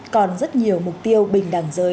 còn rất nhiều mục tiêu bình đẳng giới